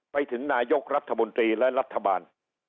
ไปถึงนายกรัฐมนตรีและรัฐบาล